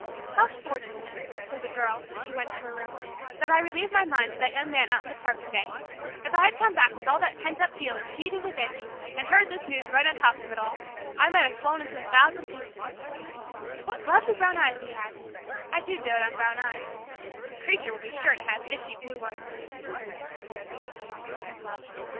"How fortunate," said the Girl, as she went to her room, "that I relieved my mind to that Young Man out in the park today. If I had come back with all that pent up feeling seething within me and heard this news right on top of it all, I might have flown into a thousand pieces. What lovely brown eyes he had! I do dote on brown eyes. The Creature will be sure to have fishy blue ones."